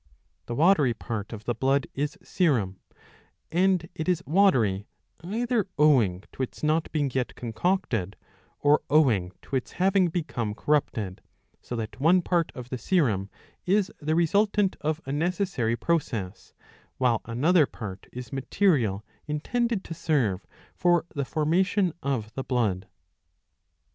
The watery part of the blood is serum ; and it is watery, either owing to its not being yet concocted, or owing to its having become corrupted ; so that one part of the serum is the resultant of a necessary process, while another part is material intended to serve for the formation of the blood.